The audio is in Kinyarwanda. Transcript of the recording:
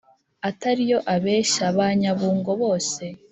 atariyo abeshya banyabungo bose